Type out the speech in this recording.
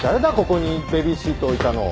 ここにベビーシート置いたの。